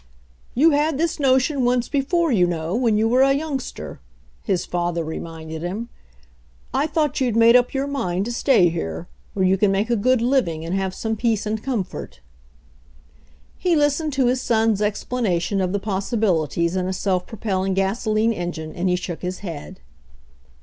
"You had this notion once before, you know, when you were a youngster," his father reminded him. "I thought you'd made up your mind to stay here, where you can make a good living and have some peace and comfort." He listened to his son's explanation of the pos sibilities in a self propelling gasoline engine and he shook his head.